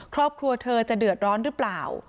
ครอบครัวเธอจะเดือดร้อนหรือเปล่า